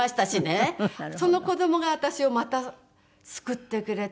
その子供が私をまた救ってくれたな。